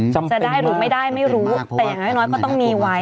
จะได้หรือไม่ได้ไม่รู้แต่อย่างน้อยก็ต้องมีไว้